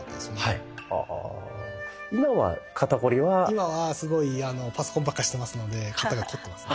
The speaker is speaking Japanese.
今はすごいパソコンばっかしてますので肩がこってますね。